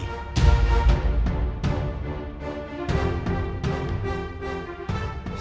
dan mereka tidak akan bisa memiliki anak lagi